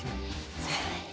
せの。